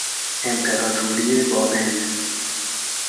امپراتوری بابل